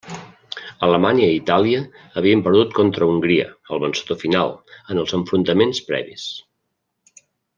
Alemanya i Itàlia havien perdut contra Hongria, el vencedor final, en els enfrontaments previs.